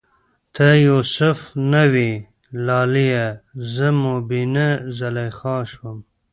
ته یو سف نه وی لالیه، زه میینه زلیخا شوم